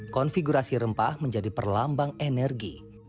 konfigurasi rempah menjadi perlambang energi